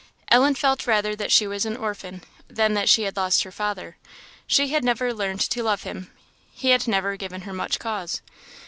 Ellen rather felt that she was an orphan, than that she had lost her father. She had never learned to love him, he had never given her much cause.